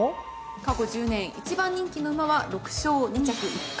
過去１０年１番人気の馬は６勝２着１回。